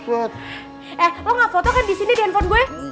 eh lo ga foto kan disini di hp gue